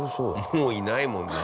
もういないもんな。